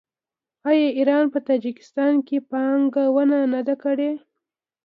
آیا ایران په تاجکستان کې پانګونه نه ده کړې؟